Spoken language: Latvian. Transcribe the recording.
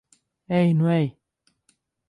Ej nu ej!